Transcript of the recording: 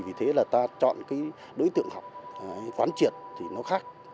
vì thế là ta chọn cái đối tượng học quán triệt thì nó khác